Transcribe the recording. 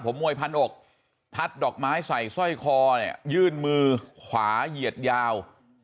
ผมมวยพันอกทัดดอกไม้ใส่สร้อยคอเนี่ยยื่นมือขวาเหยียดยาว